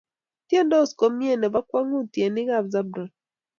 Tyendos komnye ne po kwong'ut tyenik ap Zabron.